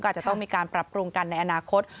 อาจจะต้องมีการปรับปรุงกันในอนาคต